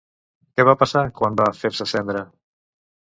Què va passar quan va fer-se cendra?